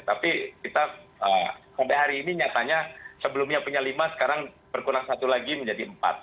tapi kita sampai hari ini nyatanya sebelumnya punya lima sekarang berkurang satu lagi menjadi empat